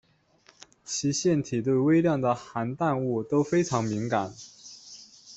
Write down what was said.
其腺体对微量的含氮物都非常敏感。